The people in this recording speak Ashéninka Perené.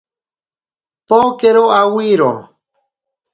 Pokero awiro.